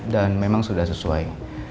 dan memang sudah sesuai